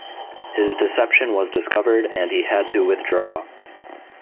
His deception was discovered and he had to withdraw.